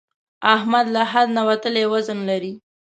احمد له حد نه وتلی وزن لري.